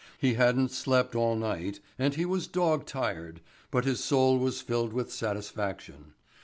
He hadn't slept all night and he was dog tired, but his soul was filled with satisfaction.